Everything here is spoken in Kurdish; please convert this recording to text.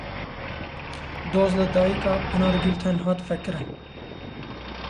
Doz li dayika Pinar Gultekin hat vekirin.